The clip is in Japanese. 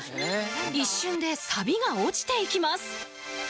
一瞬でサビが落ちていきます